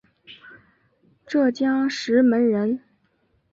浙江石门人。